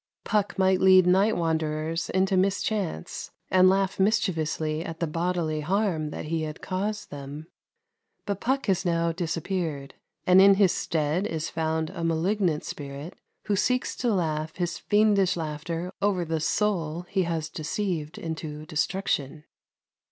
Puck might lead night wanderers into mischance, and laugh mischievously at the bodily harm that he had caused them; but Puck has now disappeared, and in his stead is found a malignant spirit, who seeks to laugh his fiendish laughter over the soul he has deceived into destruction.